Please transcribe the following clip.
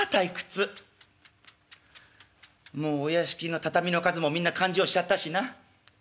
もうお屋敷の畳の数もみんな勘定しちゃったしな。